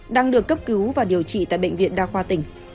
đang được cấp cứu và điều trị tại bệnh viện đa khoa tỉnh